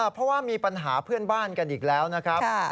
เพราะว่ามีปัญหาเพื่อนบ้านกันอีกแล้วนะครับ